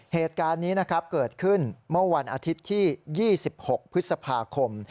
เหตุการณ์นี้นะครับเกิดขึ้นเมื่อวันอาทิตย์ที่๒๖พฤษภาคม